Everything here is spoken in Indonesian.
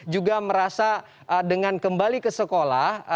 juga merasa dengan kembali ke sekolah